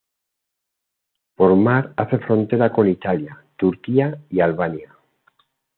Por mar hace frontera con Italia, Turquía y Albania.